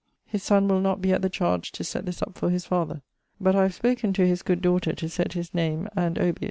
His sonne will not be at the chardge to sett this up for his father. But I have spoken to his good daughter to sett his name and obiit.